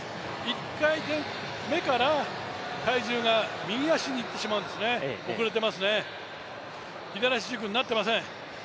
１回転目から、体重が右足にいってしまうんですね、遅れていますね、左足軸になっていません。